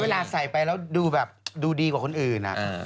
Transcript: ใส่ไปแล้วดูแบบดูดีกว่าคนอื่น